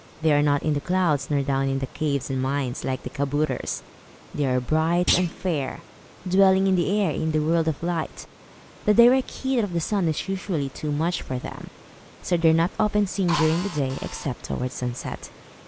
They are not in the clouds, nor down in the caves and mines, like the kabouters. They are bright and fair, dwelling in the air, and in the world of light. The direct heat of the sun is usually too much for them, so they are not often seen during the day, except towards sunset.